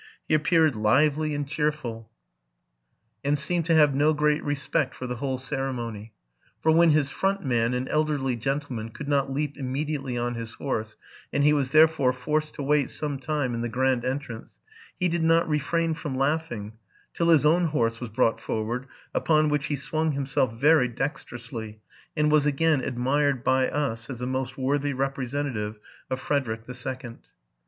He appeared lively and cheerful, and seemed to have no great respect for the whole ceremony. For when his front man, an elderly gentleman, could not leap immediately on his horse, and he was therefore forced to wait some time in the grand entrance, he did not refrain from laughing, till his own horse was brought forward, upon which he swung himself very dexterously, and was again admired by us as a most worthy representative of Frederick the Second.